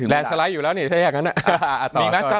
แรนสไลด์อยู่แล้วเนี่ยถ้าอยากงั้นน่ะ